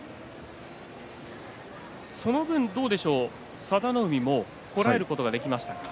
その分、佐田の海もこらえることができましたか？